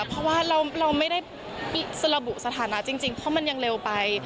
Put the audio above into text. เพราะว่าเราไม่ได้สรุปสถานะจริงเพราะมันยังเร็วไป